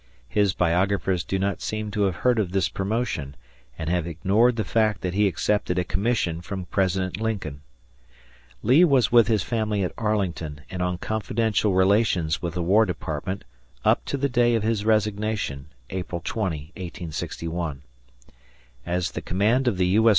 His biographers do not seem to have heard of this promotion and have ignored the fact that he accepted a commission from President Lincoln. Lee was with his family at Arlington and on confidential relations with the War Department up to the day of his resignation, April 20, 1861. As the command of the U. S.